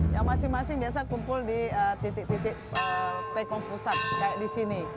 yang masing masing biasa kumpul di titik titik tekom pusat kayak di sini